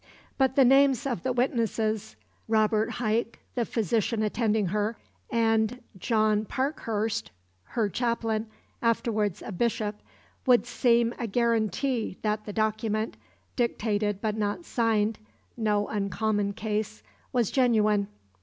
But the names of the witnesses Robert Huyck, the physician attending her, and John Parkhurst, her chaplain, afterwards a Bishop would seem a guarantee that the document, dictated but not signed no uncommon case was genuine.